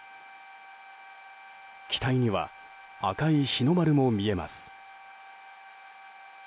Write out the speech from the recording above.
機体には赤い日の丸も見えます。